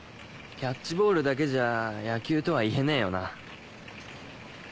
キャッチボールだけじゃ野球とは言えねえよな。